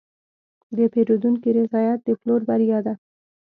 د پیرودونکي رضایت د پلور بریا ده.